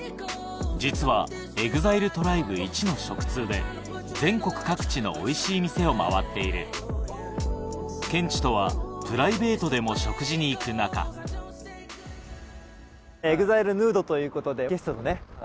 実はＥＸＩＬＥＴＲＩＢＥいちの食通で全国各地のおいしい店を回っているケンチとはプライベートでも食事に行く仲『ＥＸＩＬＥＮＵＤＥ』ということでゲストとね